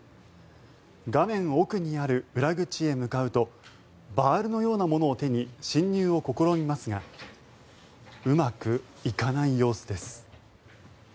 画面奥にある裏口へ向かうとバールのようなものを手に侵入を試みますがうまくいかない様子です。